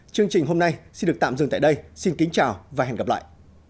chương trình hôm nay xin được tạm dừng tại đây xin kính chào và hẹn gặp lại